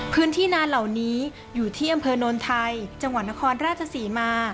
พื้นที่นานเหล่านี้อยู่ที่อำเภอโนนไทยจังหวัดนครราชศรีมา